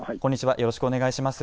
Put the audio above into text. よろしくお願いします。